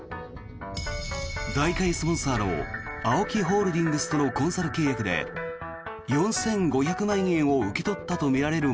大会スポンサーのＡＯＫＩホールディングスとのコンサル契約で４５００万円を受け取ったとみられる